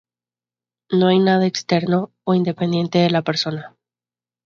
No hay nada externo o independiente de la persona.